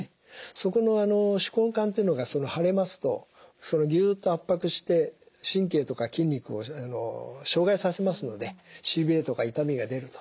そこの手根管というのが腫れますとぎゅっと圧迫して神経とか筋肉を障害させますのでしびれとか痛みが出ると。